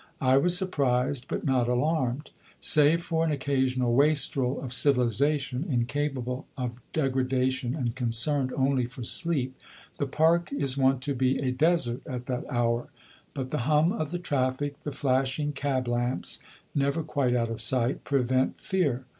I was surprised, but not alarmed. Save for an occasional wastrel of civilisation, incapable of degradation and concerned only for sleep, the park is wont to be a desert at that hour; but the hum of the traffic, the flashing cab lamps, never quite out of sight, prevent fear.